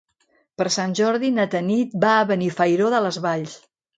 Per Sant Jordi na Tanit va a Benifairó de les Valls.